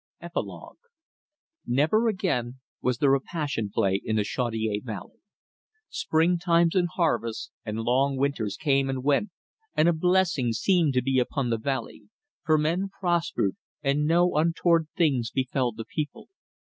EPILOGUE Never again was there a Passion Play in the Chaudiere Valley. Spring times and harvests and long winters came and went, and a blessing seemed to be upon the valley, for men prospered, and no untoward things befel the people.